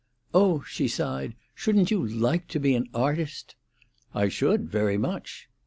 "Oh," she sighed, "shouldn't you like to be an artist?" "I should, very much."